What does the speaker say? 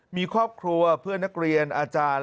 มีครอบครัวเพื่อนนักเรียนอาจารย์